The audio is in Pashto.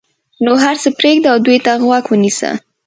نو هر څه پرېږده او دوی ته غوږ ونیسه.